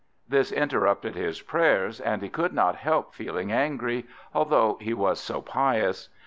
This interrupted his prayers, and he could not help feeling angry, although he was so pious.